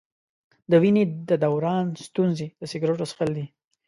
د وینې د دوران ستونزې د سګرټو څښل دي.